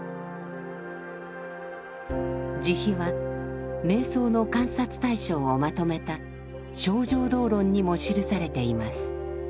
慈悲は瞑想の観察対象をまとめた「清浄道論」にも記されています。